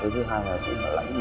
thứ hai là tỉnh lãnh